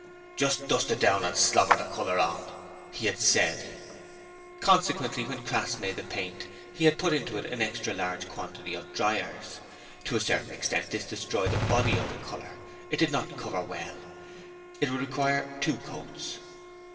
'Just dust it down and slobber the colour on,' he had said. Consequently, when Crass made the paint, he had put into it an extra large quantity of dryers. To a certain extent this destroyed the 'body' of the colour: it did not cover well; it would require two coats.